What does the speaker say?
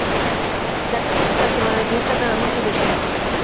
যাঁকে দিয়েছি তাঁর তুলনায় জিনিসটার দাম এমন কি বেশি।